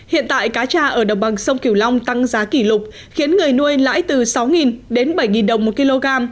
hiện tại cá cha ở đồng bằng sông kiều long tăng giá kỷ lục khiến người nuôi lãi từ sáu đến bảy đồng một kg